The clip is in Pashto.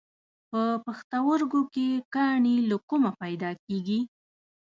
په پښتورګو کې کاڼي له کومه پیدا کېږي؟